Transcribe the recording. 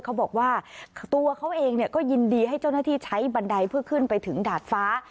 เขาบอกว่าตัวเขาเองก็ยินดีให้เจ้าหน้าที่ใช้บันไดเพื่อขึ้นไปถึงดาดฟ้า